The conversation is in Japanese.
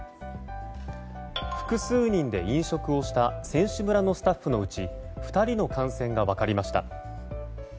複数人で飲食をした選手村のスタッフのうち２人の感染が分かりました。